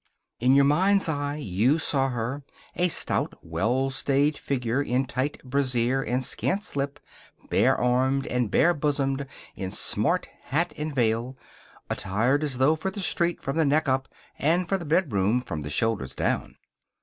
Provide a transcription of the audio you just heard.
In your mind's eye you saw her, a stout, well stayed figure in tight brassiere and scant slip, bare armed and bare bosomed, in smart hat and veil, attired as though for the street from the neck up and for the bedroom from the shoulders down.